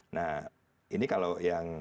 nah ini kalau yang